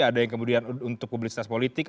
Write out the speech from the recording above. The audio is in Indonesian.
ada yang kemudian untuk publisitas politik